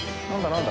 何だ？